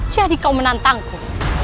jadi kau menantangku